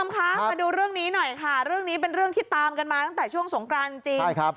ครับมาดูเรื่องนี้หน่อยค่ะเรื่องนี้เป็นเรื่องที่ตามกันมาตั้งแต่ช่วงสงกราชจริงใช่ครับ